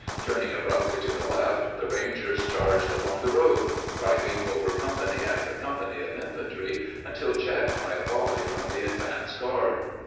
Turning abruptly to the left, the Rangers charged along the road, riding over company after company of infantry until checked by a volley from the advance guard.